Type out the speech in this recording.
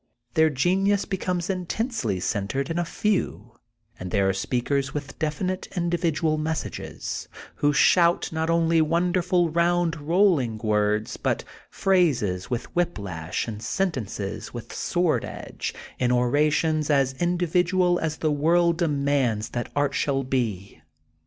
Their genius i)e comes intensely centered in a few, and there are speakers with definite, individual mes sages, who shout not only wonderful round rolling words, but phrases with whip lash and sentences with sword edge, in orations as in dividual as the world demands that art shall be.